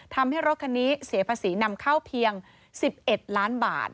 ทำให้รถคันนี้เสียภาษีนำเข้าเพียง๑๑ล้านบาท